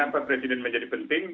kenapa presiden menjadi penting